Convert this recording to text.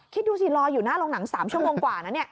คิดดูสิรออยู่หน้าโรงหนัง๓ชั่วโมงกว่านะ